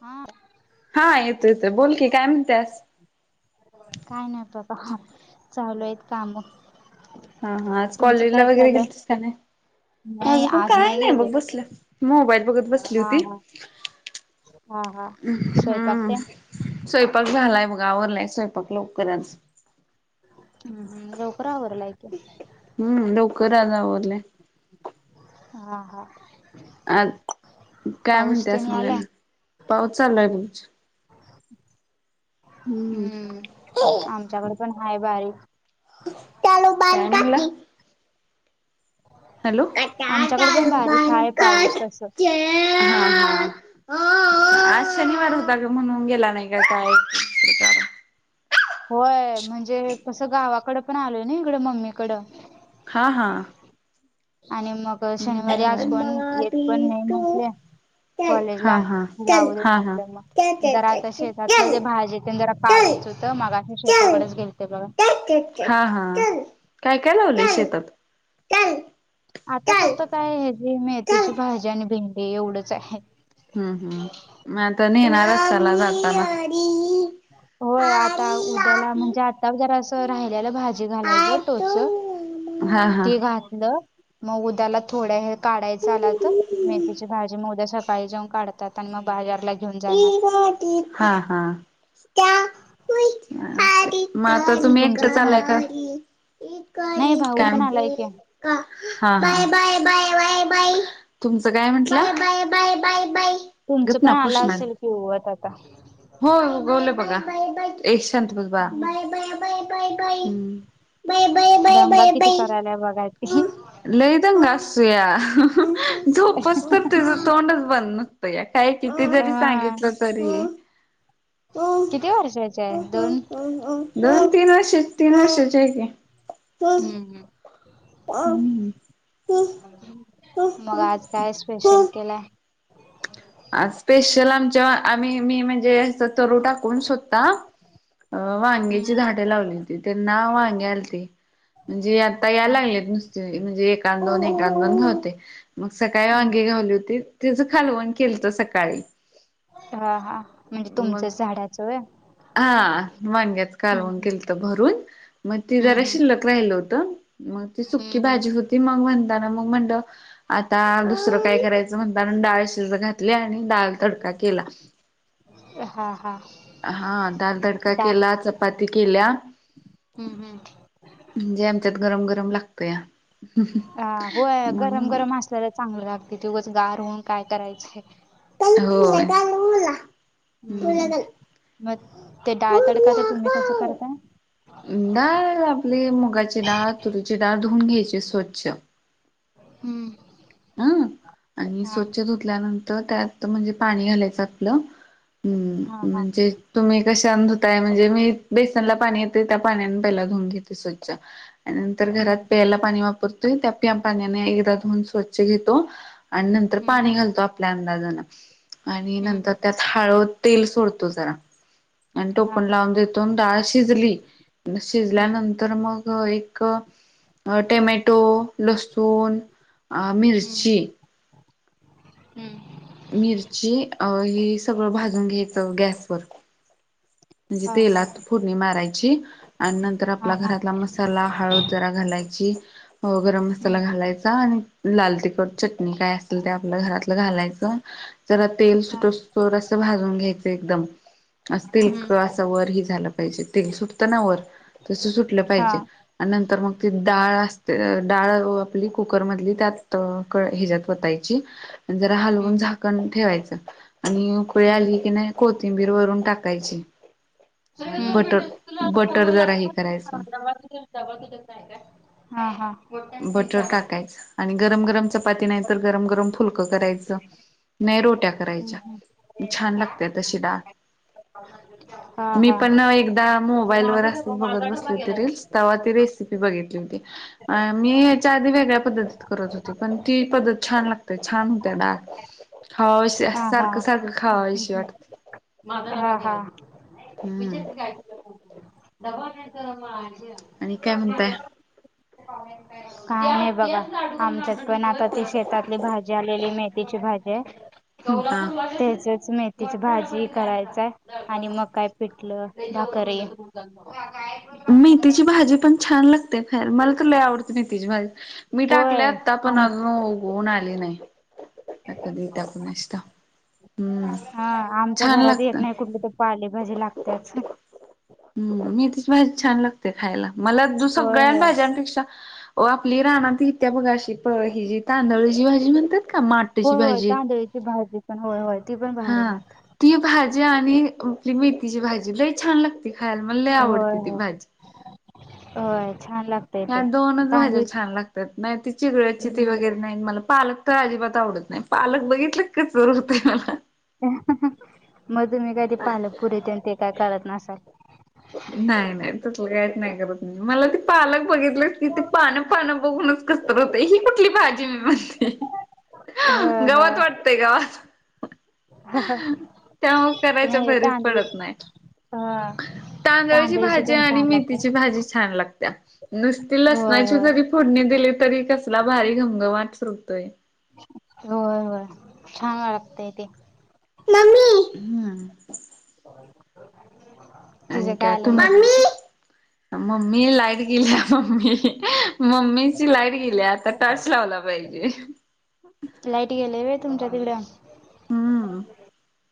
हां. हा. येतो येतो. बोल की काय म्हणतेस? काय नाही बापा चालू आहेत काम. हा हा, आज तुमचं कॉलेज काय ला वगैरे चालू आहे? गेलती स का नाही. नाही माझं पण आज काय नाही गेले बघ बसलं मोबाईल बघत बसली हा होती. हा हा हा स्वयंपाक हम. तेन स्वयंपाक झालाय बघ आवरलाय स्वयंपाक लोककरच आज. हम हम लवकर आवरलायकी. हम्म लवकर आज आवरलाय हा हा, आत काय पाऊस तेन म्हणतेस यालाय? मगना पाऊस चाललाय बघच. ह [inaudible] हम्म. हम्म आमच्याकडे हाय आहे बारीक. काय म्हणला. हॅलो. आमच्याकडे पण बारीक हाय पाऊस तसं. हा आज शनिवार होता ग म्हणून गेला नाही ग शाळेत. होय म्हणजे कसं गावाकडं पण आलोय ना इकडं मम्मीकडं. हा हा, आणि मग मी शनिवारी आज झालाय. कोण येत पण बी नाही टू म्हटले. चल कॉलेज हा ला हा चल जाऊ दे हा हा म्हटलं चल मग ज आता शेतातलं चल ते भाजी ते जर. चल काढायच होत मगा चल शेताकडेच गेलते बघ. हा हा, काय काय लावले शेतात. चल आता चल फक्त काय आहे जे चल मेथीची भाजी आणि भेंडी एवढच आहेत. हम्म हम्म मता नेन अराचला जातला. होय आता उद्याला म्हणजे आता जरा असं राहिल्याला भाजी घालायचं टोच. हो [inaudible] ते घातलं. मग उद्याला थोड्या हे काढायचं आलात हम्म मेथीची भाजी मग उद्या सकाळी जाऊन काढत. त्यात आणि मग बाजारला. घेऊन जाणार हा हा, ह म आता तुम्ही एकट तुमचं पण चालाय हो का. का नाही भाऊ पण आलाय म, की हा तुमचं काय म्हटला. Bye bye. तुमचं गप पण ना आलं कृष्णा असेल उगवत आता. हो उगवले बघा ए शांत बस बाळा. दंगा बाय किती बाय करायला बघा की. लई दंग असूया झोपसतर तिचं तोंडच बन. तया काही किती जरी हा सांगितलं तरी. किती वर्षाची आहे दोन तीन वर्षे तीन वर्षाचे आहे की. हम्म हम्म. प्या ह, मग आज काय स्पेशल केलाय. आज स्पेशल आमच्या आम्ही मी म्हणजे तरु टाकून स्वतः. अ हम्म वांग्याची झाडे लावली होती त्यांना वांगे आलते. म्हणजे आता हा यायला लागलेत नुसते म्हणजे एकां दोन एकां दोन होते. मग सकाळी हम्म वांगी हम्म घावली होती तिच खालवण केलं तर सकाळी. हा-हा म्हणजे मग तुमचंच झाडाचं होय हा वांग्याचं कालवन हम्म केलतय भरून, मग ती जरा हम्म हम्म शिल्लक राहिल होत, मग हम्म सुकी हम्म भाजी हम्म होती, मग म्हणताना मग म्हण आता दुसरं काय करायचं म्हताणं, डाळ शिजत घातली आणि डाळ तडका केला. हा-हा. हा, डाळ तडका केला चपाती केल्या हम्म-हम्म. म्हणजे आमच्यात गरम-गरम लागत या. हा, होय गरम-गरम असल्याला चांगलं लागते, ते उगच गार होऊन काय करायचय. होय. हम्म मग ते डाळ तडका ते तुम्ही कसं हम्म. करताय हम्म, डाळ आपली मुगाची डाळ, तुरीची डाळ धुवून घ्यायची स्वच्छ हम्म. हं आणि हा स्वच्छ धुतल्यानंतर त्यात म्हणजे पाणी घालायचं आपलं. हम्म, हा हा म्हणजे तुम्ही कशा न धुताय म्हणजे, मी बेसनला पाणी येते त्या पाण्या पहिला धुवून घेते स्वच्छ. त्या नंतर हम्म घरात प्यायला पाणी वापरतोय त्या पाण्याने एकदा धुऊन स्वच्छ घेतो. आणि नंतर हम्म पाणी घालतो आपल्या अंदाजान, आणि हम्म नंतर त्यात हळू तेल सोडतो जरा, आणि तो हा पण लावून देतो. दोन डाळ शिजली, हम्म शिजल्यानंतर मग एक अ, टमॅटो, लसुण, हम्म मिरची हम्म. मिरची, हे सगळं भाजून घ्यायचं गॅसवर. म्हणजे हा हा तेलात फोडणी मारायची. आणि नंतर हा आपला हा हा घरातला मसाला, हळद जरा घालायची. हो, गरम हा मसाला घालायचा आणि लाल तिखट चटणी काय असेल ते आपल्या घरातलं घालायचं, जरा तेल हा हा सुट थोडसं अस भाजून घ्यायच एकदम, अस तेल. हा हा असं वर ही झाला पाहिजे, तेल सुटत ना वर तस सुटलं हा पाहिजे. आणि नंतर मग, ती डाळ असते, डाळ आपली कुकर मधली त्यात उकळ हेज्यात वाताय ची. जरा हलवून झाकण ठेवायचं, आणि उकळी आली की नाही, कोत तिंबीर वरून टाकायची. हम्म, आणि बटर बटर जरा हे करायचं [unintelligible] हा-हा बटर [unintelligible] टाकायचं आणि गरम-गरम चपाती नाही तर, गरम-गरम फुलकं करायचं. नाही रोट्या करायच्या, छान लागते तशी डाळ. मी पण एकदा मोबाईल वर अस बघत बसले होते, रेल. तव्हा ती रेसिपी बघितली होती, मी याच्या आधी वेगळ्या पद्धतीत करत होती, पण ती पद्धत छान लाग ते छान होती डाळ खावाशी आस सारख-सारख खावाविशी वाटते. हा-हा हम्म आणि काय म्हणताय [unintelligible] काय नाही बघा, आमच्यात पण आता ते शेतातली भाजी भाजी आलेली मेथीची भाजी आहे, हा त्याचच मेथी तिची भाजी करायचाय आणि मग काय पिटलं भाकरी मीथीची भाजी पण छान लागतिया खायला मला तर लय आवडते मेथीची भाजी. मी टाकलीया होय आता पण आम अजून उगवून आली नाय. आता कधी येतीया कुणाश ठाऊक हम्म हा आमच्या छान घरात एक लागतं. नाही कुठली तर पालेभाजी लागते छा मेथीची भाजी छान लागते खायला मला होय सगळ्यां होय भाज्यांपेक्षा हो आपली राना इतिया त बघा आशी प हेजी तांदळची भाजी म्हणतात का माटची भाजी त्येची भाजी पण होय होय ती पण भारी हा लागतीया. ती भाजी आणि आपली मेथीची भाजी लई छान लागती खायला मला लई होय आवडती ती होय भाजी. होय छान लाग या दोनच भाज्या छान लागतात नाय ति चिगळ ची ती हम्म वगैरे नाय मला पालक तर अजिबात आवडत नाय पालक बघितलं कसतत होतय मला. मग तुम्ही काय ते पालकपूरी तेन काय करत नसाल? नाय नाय तसलं कायच नाय करत मी मला ती पालक बघितली की ति पान पानं बघूनच कसतर होतय ही कुठली भाजी मी म्हणते. ह गवात ह वाटतय गावात. त्यामुळ करायच्या नाही भरीच तांदूळ पडत नाय. हा. तांदळची तांदळीची भाजी तेन आणि छान लागते मेथीची भाजी छान लागतिया नुसती होय लसणाची होय जरी फोडणी दिली तरी कसला भारी घमघमट सुटतोय. होय होय छान वाटतंय ते. मम्मी हम्. [unintelligible] आणि काय तु? आलं मध्येच मम्मी लाईट गेलीया मम्मी. मम्मीची लाईट गेलीया आता टॉर्च लावला पाहिजे. लाईट गेलेय वे तुमच्या तिकड? हम्म.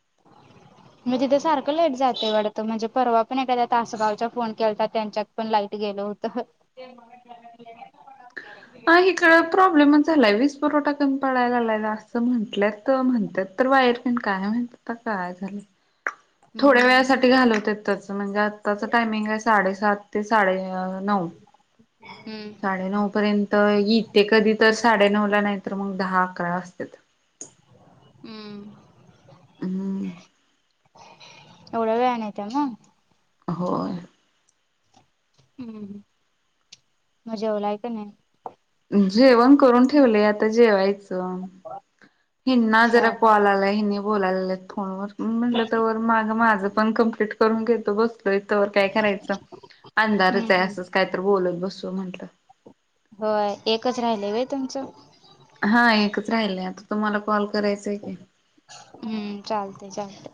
[inaudible] म तिथं सारखं लाईट जातंय वाढतं म्हणजे परवा पण एखाद्या तासगावच्या फोन केतात त्यांच्यात पण लाईट गेल होत. आ इकड प्रॉब्लेमच झालाय वीज पुरवठा कमी पडाय लागलाय असं म्हंटल्यात. त म्हणतात तर वायर मेन काय म्हणतात काय झाल? थोड्या हम्म वेळासाठी घालवत्याच म्हणजे आत्ताचं टायमिंग आय साडेसात ते साडे नऊ हम्म साडेनऊ पर्यंत त इती कधी तर साडेनऊ ला नाय तर मग दहा अकरा वाजत्यात. हम्. हम्. एवढ्या वेळानं येतीया ना. होय. हम्म म जेवलाय का नाय? जेवण करून ठेवलय आता जेवायचं. [inaudible] हिना हा जरा हा कॉल आलाय हिनी बोलालेत फोन वर म मी म्हटलं तवर माग माझं पण कंप्लीट करून घेतो बस लोय तवर काय करायचं हम्म अंधारच हाय हम्म असंच कायत बोलत बसू म्हंटलं. होय एकच राहिलय व्हय तुमचं? हां, एकच राहिलं, आता तुम्हाला कॉल करायच य की. हम्म, चालतय चालत.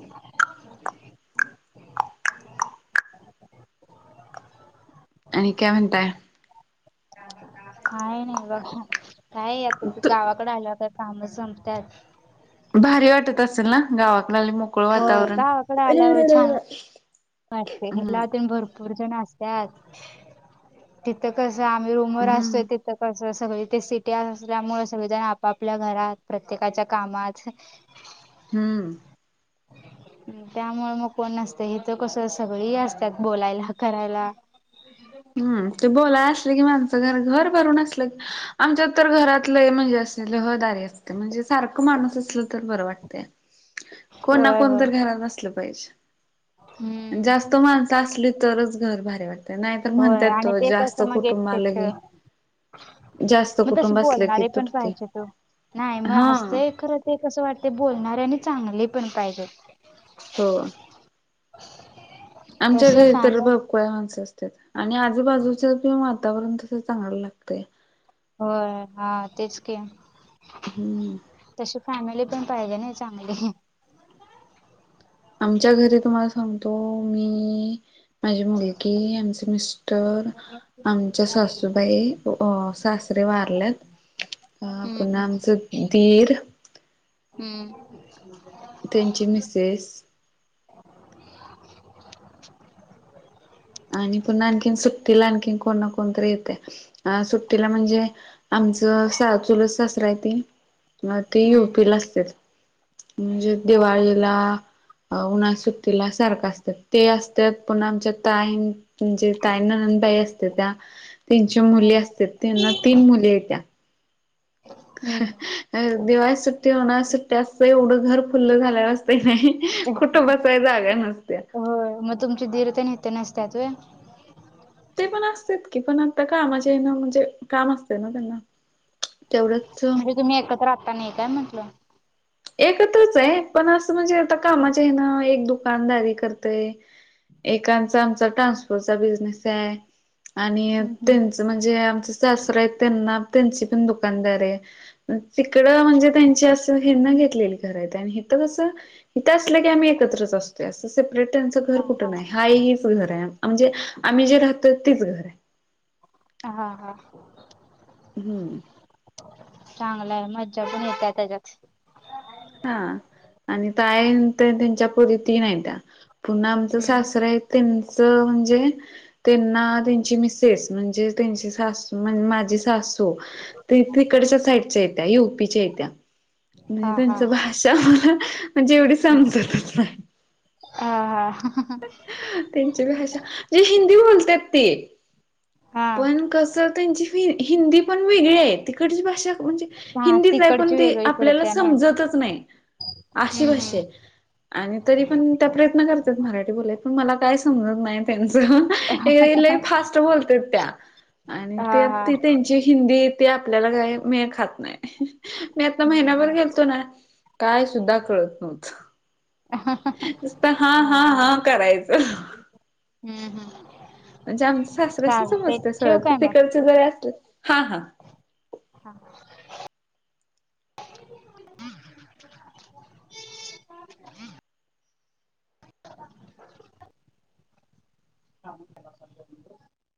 आणि काय म्हणताय? काय नाही बघा, काय आता त गावाकड आल का कामच संपत्यात. भारी वाटत असेल ना, गावाकड आल म? होय गावाकडं आल्यावर, छान वा असतं म्हंटल आजून भरपूर जण असतात. तिथं, कस आम्ही रूमवर असतोय हम्म ते त कसं सगळी ते सिटी असल्यामुळे, सगळेजण आपापल्या घरात, प्रत्येकाच्या कामात. हम्म. म त्यामुळ म कोण नसतय. इथं, कसं सगळे असतात, बोलायला, करायला. हम्, ते बोलाय असले की, माणसं घर, घर भरून असलं आमच्यात तर घरात लई, म्हणजे अस ल ह द असतं, म्हणजे सारख माणूस असलं तर बर वाटतया. कोण ना, होय कोण होय तर घरात असलं पाहिजे आणि हम्म जास्त माण सं, असले तरच घर भारी वाटतय, नाही तर होय म्हणतात आणि तो ते जास्त कसं मग कुटुंबाला की एकटएकटं. जास्त म तशे कुटुंब असलं की बोलणारे पण तुटते पाहिजेत ओ, नाही म हा हास्तेय खर ते कसं वाटते, बोलणारे आणि चांगले पण, पाहिजे. हो [inaudible] आमच्या घरी तर बा [unintelligible] माणसं असत्यात आणि आजूबाजूच पण वातावरण, तसं चांगलं लागतय. होय, हां, तेच की. हम्. तशी फॅमिली पण पाहिजे ना, चांगली. आमच्या घरी तुम्हाला सांगतो, मी, माझी मुलगी, आमचे मिस् टर, आमच्या सासूबाई, अ सासरे वारल्यात. अ हम्म पुण्हा हम्म आमचं, दीर हम्म. त्यांची मिसेस आणि पुन्हा, आणखीन सुट्टीला, आणखीन कोण ना कोणतरी येते, अ सुट्टीला म्हणजे आमचं स चुलत सासर हाय ते. म ते हम्म युपी ला असत्यात, म्हणजे हा हा दिवाळीला अ उन्हा सुट्टीला सारखं असत्यात, ते असतात, पुन्हा आमच्या ताई म्हणजे ताई, ननंदबाई असते त्या, त्यांची मुली असते, त्यांना तीन मुली ये त्या. हम्म दिवाळी सुट्टी, उन्हाळा सुट्टी असते, एवढं घर फुल झाल्या असतं, नाही कुठं बसाय, जागा नसत्या. होय म तुमचे दीर तेनी ते नसतात वय? ते पण असतात की, पण आता कामाचेे हेना, म्हणजे काम असते ना त्यांना. तेवढंच म्हणजे तुम्ही एकत्र आत्ता, नाही काय म्हंटलं? एकत्रच ये, पण असं, म्हणजे आता कामाचे हे ना, एक दुकानदारी करतय एकांचा आमचा ट्रान्सपोर्टचा, बिझनेस ये. आणि हम्म हम्म त्यांचं, म्हणजे आमच सासर येत, त्यांना त्यांची पण दुकानदार ये. तिकडं म्हणजे त्यांची अस तीन घेतलेली घर आहेत आणि इथ कस इथ असलं की आम्ही एकत्रच असतो. असं सेपरेट त्यांचं घर हा कुठं नाही. हाय हीच घर आहे म्हणजे आम्ही जे राहतोय तीच घर आहे. हा हा. हम्म. चांगलंय मज्जा पण येत्या त्याच्यात हा आणि ताई त त्यांच्या पुरी तीन आहेत्या. पुन्हा आमचं हम्म सासरं आहेत त्यांच म्हणजे त्यांना त्यांची मिस सेस म्हणजे त्यांची सासू मन माझी सासू. ते तिकडच्या साईडच्या हायत्या युपीच्या आहेत्या. हा हा भाषा मला म्हणजे एवढी समजतच नाही. अ हा ह. त्यांची भाषा जे हिंदी बोलत्यात ती. हा पण कस त्यांची फी हिंदी पण वेगळी आहे. तिकडची भाषा म्हणजे हा हिंदीच आहे पण तिकडची ते वेगळी आपल्याला पडत्या नई समजतच नाही. अशी हम्म भाषा हम्म आहेत. आणि तरी पण त्या प्रयत्न करतात. मराठी बोलायच पण मला काय समजत नाही. त्यांचं एकदा कणी लय फास्ट बोलत्यात त्या आणि हा तेन हा त्याचं हिंदी ते आपल्याला काही मेळ खात नाही. मी आता हम्म महिनायभर हम्म गेलतो ना. काय सुद्धा कळत नव्हतं. नुसतं हा हा हा करायचं. हम्म हम्. म्हणजे आमचं सासऱ्यासानी समजते सगळ तर काय मग तिकडचे जरी अस हा हा. [unintelligible] [inaudible] [inaudible] का [unintelligible]